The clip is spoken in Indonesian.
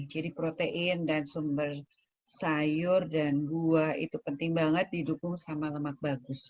jadi protein dan sumber sayur dan buah itu penting banget didukung sama lemak bagus